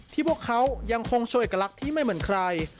พวกเขายังคงโชว์เอกลักษณ์ที่ไม่เหมือนใคร